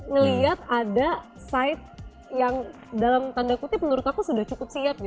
ngelihat ada site yang dalam tanda kutip menurut aku sudah cukup siap